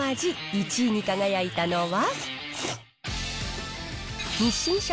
１位に輝いたのは。